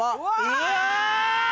うわ！